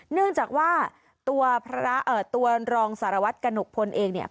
เนื่องจากว่าตัวรองสารวัตรกระหนกพลเองเนี่ย